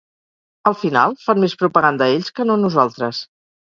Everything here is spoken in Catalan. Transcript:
Al final fan més propaganda ells que no nosaltres.